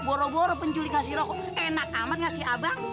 boro boro penculik ngasih rokok enak amat gak sih abang